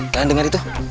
kalian dengar itu